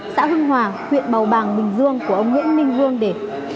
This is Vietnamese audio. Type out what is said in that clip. xã hưng hòa huyện bầu bàng bình dương của ông nguyễn minh vương để